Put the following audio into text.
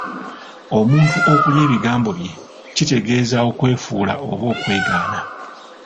Omuntu okulya ebigambo bye kitegeeza okwefuula oba okwegaana.